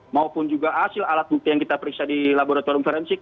maupun juga hasil alat bukti yang kita periksa di laboratorium forensik